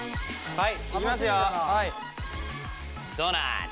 はい。